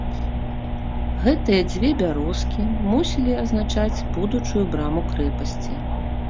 Гэтыя дзве бярозкі мусілі азначаць будучую браму крэпасці.